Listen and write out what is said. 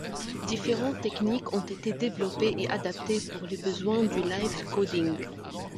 Différentes techniques ont été développées et adaptées pour les besoins du live coding.